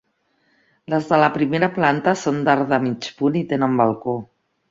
Les de la primera planta són d'arc de mig punt i tenen balcó.